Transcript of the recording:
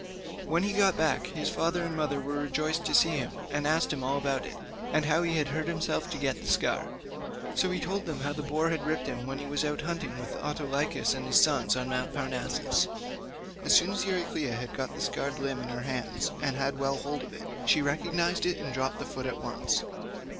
When he got back, his father and mother were rejoiced to see him, and asked him all about it, and how he had hurt himself to get the scar; so he told them how the boar had ripped him when he was out hunting with Autolycus and his sons on Mt. Parnassus. As soon as Euryclea had got the scarred limb in her hands and had well hold of it, she recognised it and dropped the foot at once.